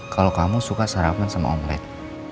kalau kamu suka sarapan sama omelet